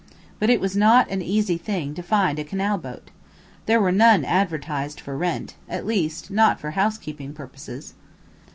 But it was not an easy thing to find a canal boat. There were none advertised for rent at least, not for housekeeping purposes.